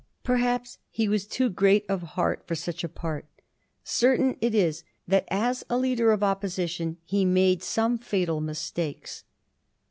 Perhaps he was too great of heart for such a part ; certain it is that as a leader of Opposition he made some fatal mistakes.